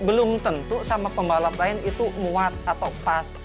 belum tentu sama pembalap lain itu muat atau pas